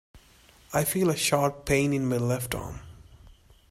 I feel a sharp pain in my left arm.